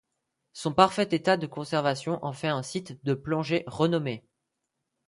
Son parfait état de conservation en fait un site de plongée renommé.